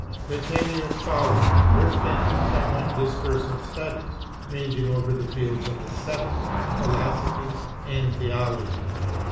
The ten years following were spent in some what discursive studies, ranging over the fields of esthetics, philosophy, and theology.